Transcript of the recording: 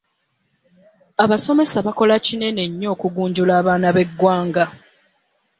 Abasomesa bakola kinene nnyo okugunjuwla abaana be gwanga.